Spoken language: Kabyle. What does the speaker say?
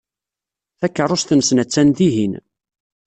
Takeṛṛust-nsen attan dihin.